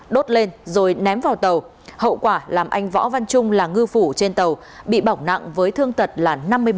đốt lên rồi ném vào tàu hậu quả làm anh võ văn trung là ngư phủ trên tàu bị bỏng nặng với thương tật là năm mươi bảy